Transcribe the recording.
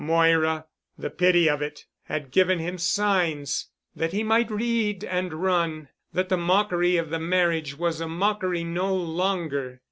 Moira—the pity of it—had given him signs (that he might read and run) that the mockery of the marriage was a mockery no longer.